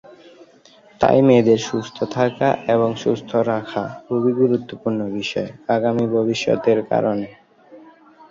তাই মেয়েদের সুস্থ থাকা এবং সুস্থ রাখা খুবই গুরুত্বপূর্ণ বিষয় আগামী ভবিষ্যৎ-এর কারণে।